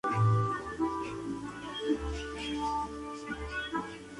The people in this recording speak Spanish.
Bob Dylan escribió "Mr.